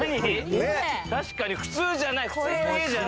確かに普通じゃない。